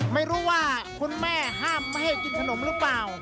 ไม่รู้ว่าคุณแม่ห้ามไม่ให้กินขนมหรือเปล่า